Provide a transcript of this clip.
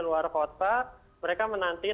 luar kota mereka menanti